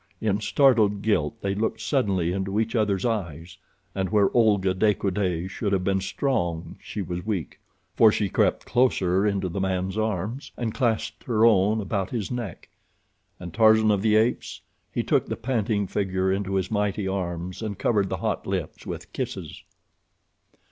In startled guilt they looked suddenly into each other's eyes, and where Olga de Coude should have been strong she was weak, for she crept closer into the man's arms, and clasped her own about his neck. And Tarzan of the Apes? He took the panting figure into his mighty arms, and covered the hot lips with kisses.